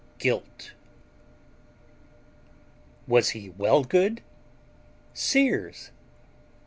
GUILT Was he Wellgood? Sears?